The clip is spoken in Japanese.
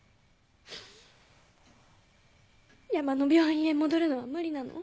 山の病院へ戻るのは無理なの？